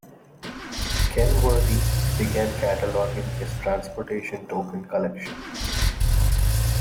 Kenworthy began cataloging his transportation token collection.